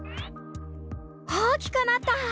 大きくなった！